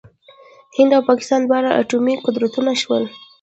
هند او پاکستان دواړه اټومي قدرتونه شول.